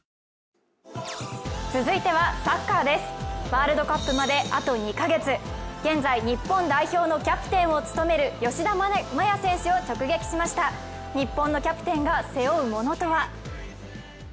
ワールドカップまであと２か月現在、日本代表のキャプテンを務める吉田麻也選手を直撃しました、日本のキャプテンが背負うものとは。